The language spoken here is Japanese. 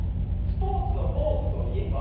スポーツのポーズといえば？